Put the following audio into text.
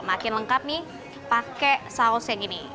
makin lengkap nih pakai saus yang ini